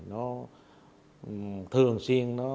nó thường xuyên nó